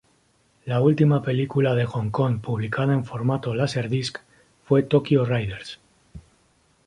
La última película de Hong Kong publicada en formato Laserdisc fue "Tokyo Raiders".